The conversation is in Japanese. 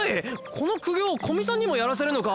この苦行を古見さんにもやらせるのか！？